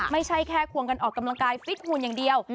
ไม่ใช่แค่ควงกันออกกำลังกายฟิตหุ่นอย่างเดียว